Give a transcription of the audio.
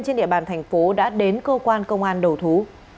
trên địa bàn thành phố đã đến cơ quan công an đầu thú